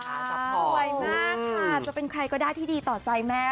สวยมากค่ะจะเป็นใครก็ได้ที่ดีต่อใจแม่